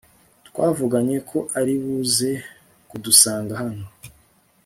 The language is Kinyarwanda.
twavuganye ko aribuze kudusanga hano